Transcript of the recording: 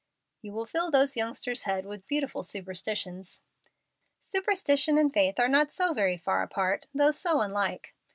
"You will fill those youngsters' heads with beautiful superstitions." "Superstition and faith are not so very far apart, though so unlike."